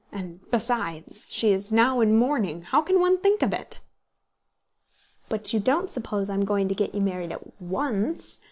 And besides, she is now in mourning. How can one think of it!" "But you don't suppose I'm going to get you married at once?